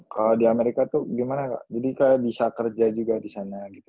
kalau di amerika tuh gimana kak jadi kayak bisa kerja juga di sana gitu